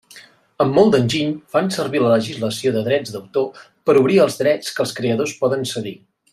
Amb molt d'enginy fan servir la legislació de drets d'autor per obrir els drets que els creadors poden cedir.